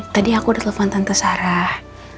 tadi aku udah telepon tante sarah